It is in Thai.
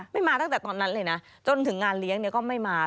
มาตั้งแต่ตอนนั้นเลยนะจนถึงงานเลี้ยงก็ไม่มา